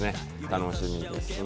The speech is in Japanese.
楽しみです。